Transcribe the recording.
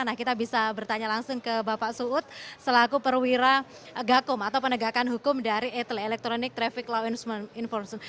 nah kita bisa bertanya langsung ke bapak suud selaku perwira gakum atau penegakan hukum dari etle electronic traffic lawn enforcement